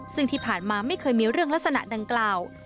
ซึ่งที่ผ่านมาไม่เคยมีเรื่องลักษณะดังกล่าว